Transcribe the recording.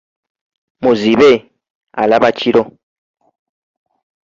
Muzibe, alaba kiro.